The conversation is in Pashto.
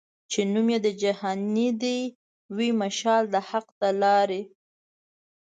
چي نوم د جهاني دي وي مشال د حق د لاري